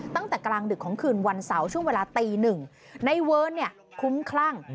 ตั้งแต่กลางดึกของคืนวันเสาร์ช่วงเวลาตีหนึ่งในเวิร์นเนี่ยคุ้มคลั่ง